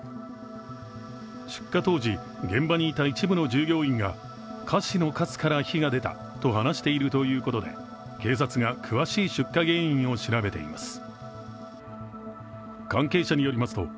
出火当時現場にいた一部の従業員が菓子のかすから火が出たと話しているということで、警察が詳しい出火原因を調べています。